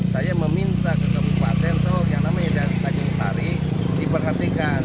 saya meminta ketemu pasien yang namanya tanjung sari diperhatikan